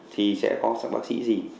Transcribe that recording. thì sẽ có sẵn bác sĩ gì